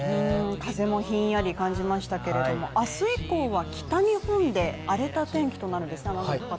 風もひんやり感じましたけど、明日以降は北日本で荒れた天気となるんですね